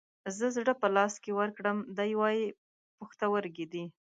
زه زړه په لاس کې ورکړم ، دى واي پښتورگى دى.